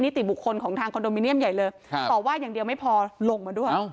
ติบุคคลของทางคอนโดมิเนียมใหญ่เลยต่อว่าอย่างเดียวไม่พอลงมาด้วย